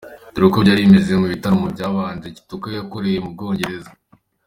Dore uko byari bimeze mu bitaramo byabanje Kitoko yakoreye mu Bwongereza :.